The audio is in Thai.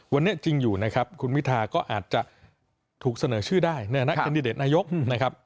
วันนี้จริงอยู่นะครับคุณวิทาก็อาจจะถูกเสนอชื่อได้ในฐานะแคนดิเดตนายกนะครับ